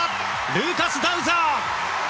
ルーカス・ダウザー！